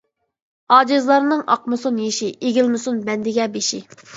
ئاجىزلارنىڭ ئاقمىسۇن يېشى، ئېگىلمىسۇن بەندىگە بېشى.